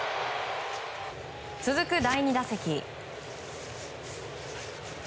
続く第２打席。